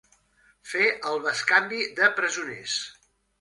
Fer el bescanvi de presoners.